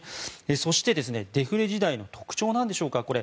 そして、デフレ時代の特徴なんでしょうか。